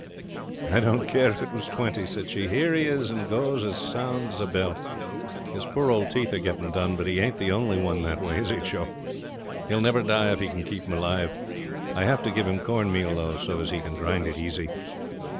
'I didn't care if it was twenty,' said she. 'Here he is, and goes as sound as a bell. His poor old teeth are getting done, but he ain't the only one that way, is he, Joe? He'll never die if I can keep him alive. I have to give him corn meal, though, so as he can grind it easy.'